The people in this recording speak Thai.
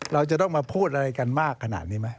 เราจะต้องมาพูดอะไรกันมากขนาดนี้ไหม